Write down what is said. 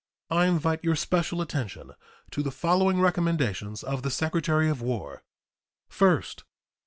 I invite your special attention to the following recommendations of the Secretary of War: First.